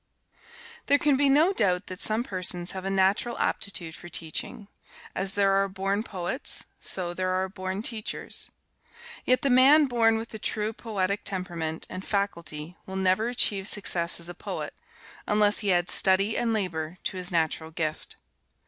There can be no doubt that some persons have a natural aptitude for teaching. As there are born poets, so there are born teachers. Yet the man born with the true poetic temperament and faculty will never achieve success as a poet, unless he add study and labor to his natural gift.